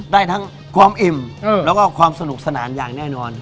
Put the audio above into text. ได้ทั้งความอิ่มแล้วก็ความสนุกสนานอย่างแน่นอน